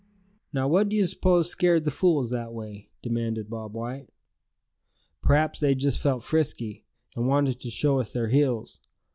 "Now, what d'ye suppose, scared the fools that way?" demanded Bob White. "P'raps they just felt frisky, and wanted to show us their heels.